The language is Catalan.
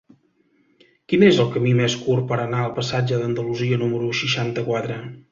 Quin és el camí més curt per anar al passatge d'Andalusia número seixanta-quatre?